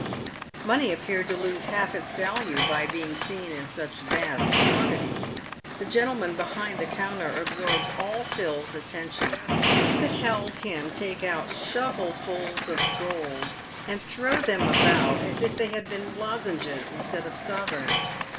Money appeared to lose half its value by being seen in such vast quantities. The gentleman behind the counter absorbed all Phil's attention. He beheld him take out shovelfuls of gold and throw them about as if they had been lozenges instead of sovereigns.